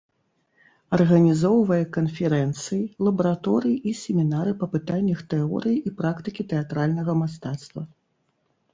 Арганізоўвае канферэнцыі, лабараторыі і семінары па пытаннях тэорыі і практыкі тэатральнага мастацтва.